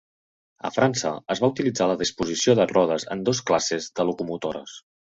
A França, es va utilitzar la disposició de rodes en dos classes de locomotores.